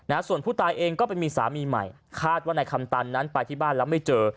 ส่วนผู้ตายเองก็ไปมีสามีใหม่คาดว่านายคำตันนั้นไปที่บ้านแล้วไม่เจอ